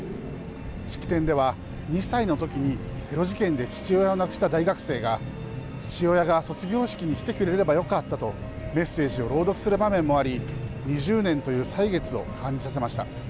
式典では、２歳のときにテロ事件で父親を亡くした大学生が、父親が卒業式に来てくれればよかったと、メッセージを朗読する場面もあり、２０年という歳月を感じさせました。